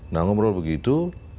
nah ngobrol begitu